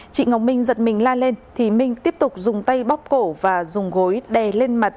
chị ngọc minh giật mình la lên thì minh tiếp tục dùng tay bóc cổ và dùng gối đè lên mặt